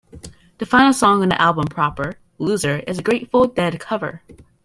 The final song on the album proper, "Loser" is a Grateful Dead cover.